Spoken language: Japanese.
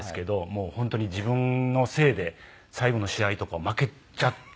もう本当に自分のせいで最後の試合とか負けちゃったんですよ。